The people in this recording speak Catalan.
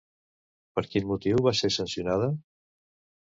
Per quin motiu va ser sancionada?